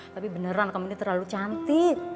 tapi beneran kamu ini terlalu cantik